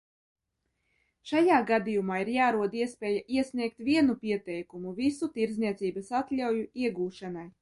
Šajā gadījumā ir jārod iespēja iesniegt vienu pieteikumu visu tirdzniecības atļauju iegūšanai.